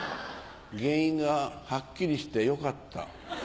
原因がハッキリしてよかった。